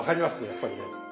やっぱりね。